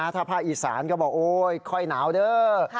ถ้าภาคอีสานก็บอกโอ๊ยค่อยหนาวเด้อ